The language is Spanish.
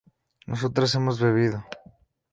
nosotras hemos bebido